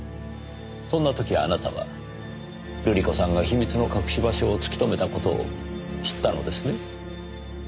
そんな時あなたは瑠璃子さんが秘密の隠し場所を突き止めた事を知ったのですね？